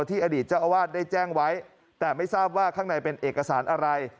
อดีตเจ้าอาวาสได้แจ้งไว้แต่ไม่ทราบว่าข้างในเป็นเอกสารอะไร